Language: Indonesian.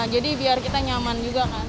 jadi biar kita nyaman juga kan